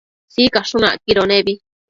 Sicashun acquido nebi